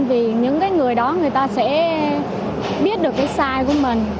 vì những người đó người ta sẽ biết được cái sai của mình